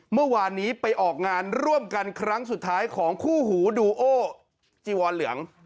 เมื่อวานนี้ไปออกงานร่วมกันครั้งสุดท้ายของคู่หูดูโอจีวอนเหลือง